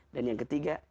dan yang ketiga